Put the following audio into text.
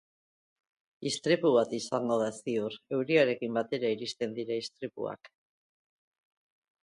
Istripu bat izango da, ziur, euriarekin batera iristen dira istripuak.